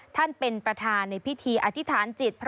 ท่านประธานเป็นประธานในพิธีอธิษฐานจิต